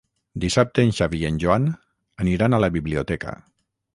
Dissabte en Xavi i en Joan aniran a la biblioteca.